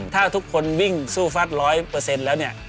ถ้าทุกคนวิ่งสู้ฟัสร้อยเปอร์เซ็นต์แล้ว